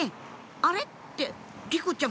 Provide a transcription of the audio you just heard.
「あれ？」って莉子ちゃん